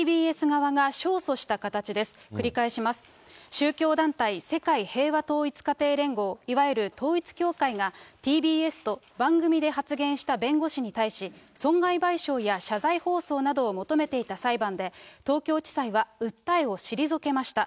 宗教団体世界平和統一家庭連合いわゆる統一教会が、ＴＢＳと番組で発言した弁護士に対し、損害賠償や謝罪放送などを求めていた裁判で、東京地裁は、訴えを退けました。